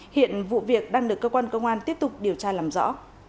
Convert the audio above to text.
hiện vụ việc đang được cơ quan công an tiếp tục điều tra làm rõ